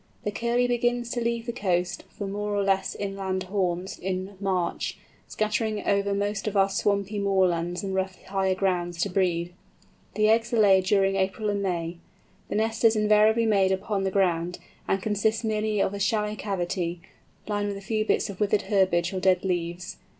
The Curlew begins to leave the coast for more or less inland haunts in March, scattering over most of our swampy moorlands and rough higher grounds to breed. The eggs are laid during April and May. The nest is invariably made upon the ground, and consists merely of a shallow cavity, lined with a few bits of withered herbage or dead leaves.